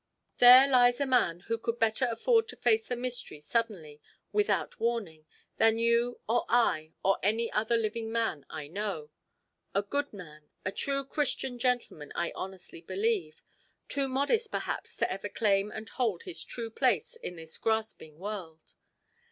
"There lies a man who could better afford to face the mystery suddenly, without warning, than you or I or any other living man I know. A good man, a true Christian gentleman I honestly believe, too modest perhaps to ever claim and hold his true place in this grasping world.